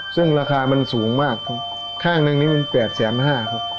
ซึ่งราคามันสูงมากครับข้างหนึ่งนี่มัน๘๕๐๐บาทครับ